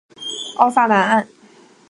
奥萨南岸。